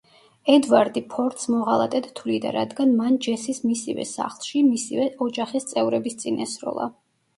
ედვარდი ფორდს მოღალატედ თვლიდა, რადგან მან ჯესის მისივე სახლში, მისივე ოჯახის წევრების წინ ესროლა.